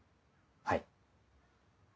はい。